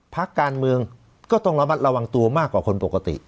ภาคการเมืองก็ต้องระวังตัวมากกว่าคนปกติ